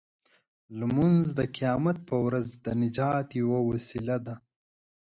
لمونځ د قیامت په ورځ د نجات یوه وسیله ده.